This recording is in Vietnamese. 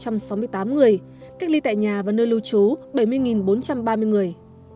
trong đó cách ly tập trung tại bệnh viện hai một trăm chín mươi năm người cách ly tại nhà và nơi lưu trú bảy mươi bốn trăm ba mươi người